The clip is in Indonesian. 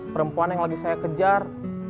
perempuan yang lagi saya kejar